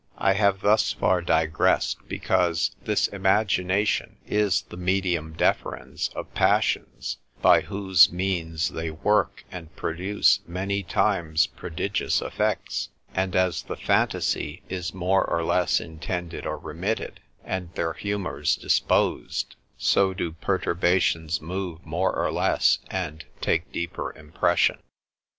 I have thus far digressed, because this imagination is the medium deferens of passions, by whose means they work and produce many times prodigious effects: and as the phantasy is more or less intended or remitted, and their humours disposed, so do perturbations move, more or less, and take deeper impression.